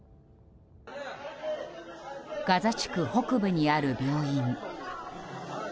ガザ地区北部にある病院。